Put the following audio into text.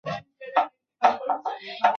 这两种蛋糕都可以搭配粥和糖食用。